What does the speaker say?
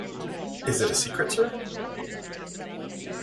Is it a secret, sir?